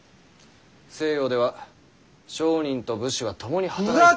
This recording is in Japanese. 西洋では商人と武士は共に働いて。